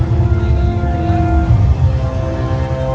สโลแมคริปราบาล